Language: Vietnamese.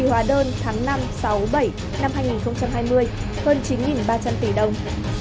lần một ba tháng kỳ hóa đơn tháng năm sáu bảy năm hai nghìn hai mươi hơn chín ba trăm linh tỷ đồng